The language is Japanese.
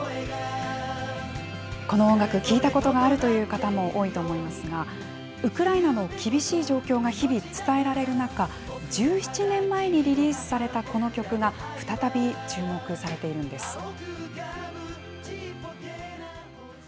この音楽、聴いたことがあるという方も多いと思いますが、ウクライナの厳しい状況が日々伝えられる中、１７年前にリリースされたこの曲が、再び注目されているんです。